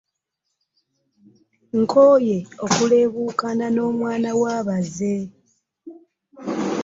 Nkooye okuleebuukana n'omwana wa baze.